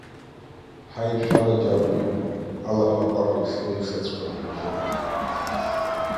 Ҳаи, шәанаџьалбеит, алаҳәа аҟырра ишԥеиԥшҵәҟьоу ибжьы!